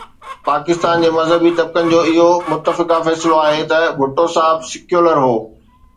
پاڪستان جي مذهبي طبقن جو اهو متفقه فيصلو آهي ته ڀٽو صاحب سيڪيولر هو.